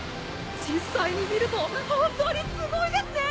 実際に見ると本当にすごいですね！